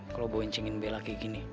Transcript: kalau bawain cingin bella kayak gini